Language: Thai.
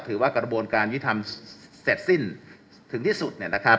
ถือว่ากระบวนการวิธรรมเสร็จสิ้นถึงที่สุด